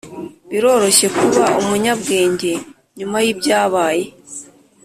biroroshye kuba umunyabwenge nyuma yibyabaye